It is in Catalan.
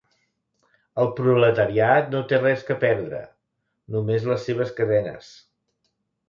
El proletariat no té res que perdre; només les seves cadenes.